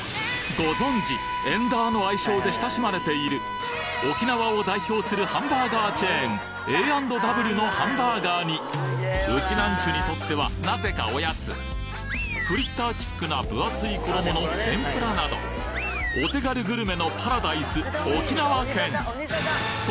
ご存知「エンダー」の愛称で親しまれている沖縄を代表するハンバーガーチェーンＡ＆Ｗのハンバーガーにウチナンチュにとってはなぜかおやつフリッターチックな分厚い衣のお手軽グルメのパラダイス沖縄県！